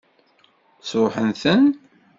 Sṛuḥen-ten?